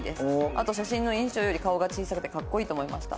「あと写真の印象より顔が小さくて格好いいと思いました」。